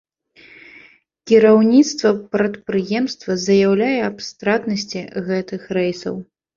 Кіраўніцтва прадпрыемства заяўляе аб стратнасці гэтых рэйсаў.